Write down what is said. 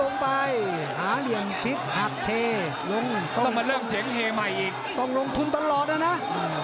ไม่เคียงด้วยแบบนี้นะพี่ค่า